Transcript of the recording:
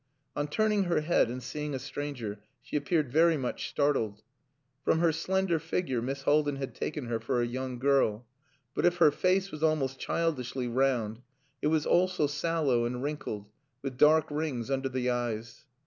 On turning her head and seeing a stranger, she appeared very much startled. From her slender figure Miss Haldin had taken her for a young girl; but if her face was almost childishly round, it was also sallow and wrinkled, with dark rings under the eyes.